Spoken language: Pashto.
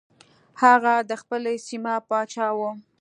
هغه د خپلې سیمې پاچا و.